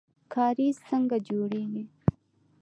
کاریز څنګه جوړیږي؟